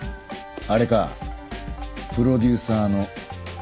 あれかプロデューサーの唐澤か。